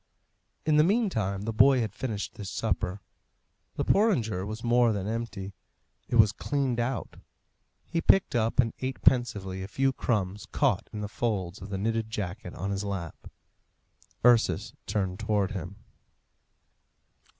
In the meantime the boy had finished his supper. The porringer was more than empty; it was cleaned out. He picked up and ate pensively a few crumbs caught in the folds of the knitted jacket on his lap. Ursus turned towards him.